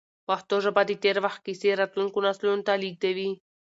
پښتو ژبه د تېر وخت کیسې راتلونکو نسلونو ته لېږدوي.